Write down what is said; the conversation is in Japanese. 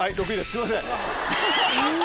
すいません。